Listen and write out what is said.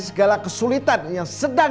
segala kesulitan yang sedang